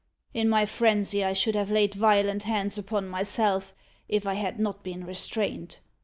In my frenzy I should have laid violent hands upon myself, if I had not been restrained.